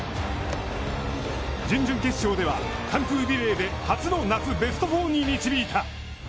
準々決勝では、完封リレーで初の夏ベスト４に導いた。